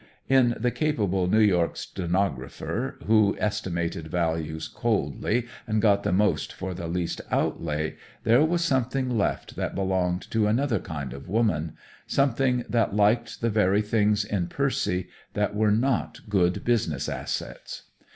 In the capable New York stenographer, who estimated values coldly and got the most for the least outlay, there was something left that belonged to another kind of woman something that liked the very things in Percy that were not good business assets.